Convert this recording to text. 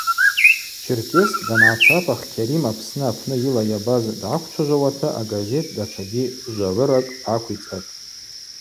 Черкесск дангӏацапах Кьарим Апсны апны йыла йабаз дгӏаквчважвауата агазет датшагьи жвагӏвыракӏ гӏаквицӏатӏ.